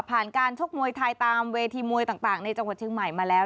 การชกมวยไทยตามเวทีมวยต่างในจังหวัดเชียงใหม่มาแล้ว